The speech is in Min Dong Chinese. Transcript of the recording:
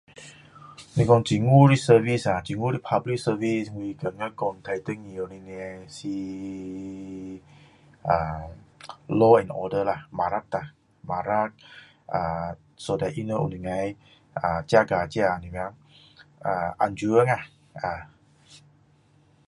你说政府的 service 呀政府的 service public service 我觉得最重要的是 low and order 警察警察 so that 他们能够 jaga 这个我们安全呀